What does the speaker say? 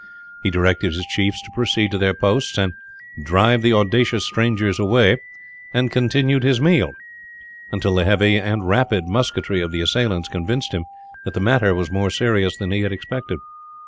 He directed his chiefs to proceed to their posts and "drive the audacious strangers away," and continued his meal until the heavy and rapid musketry of the assailants convinced him that the matter was more serious than he had expected.